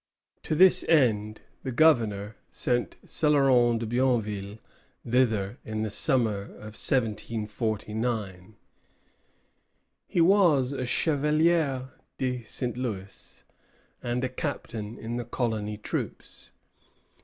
To this end the Governor sent Céloron de Bienville thither in the summer of 1749. He was a chevalier de St. Louis and a captain in the colony troops.